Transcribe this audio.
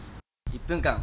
「１分間！